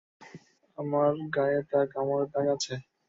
আমার গায়ে তার কামড়ের দাগ আছে।